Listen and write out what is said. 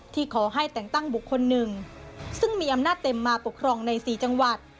ที่ขอให้แต่งตั้งบุคคลหนึ่งซึ่งมีอำนาจเต็มมาปกครองใน๔จังหวัด